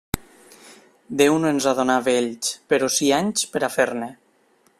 Déu no ens ha donat vells, però sí anys per a fer-ne.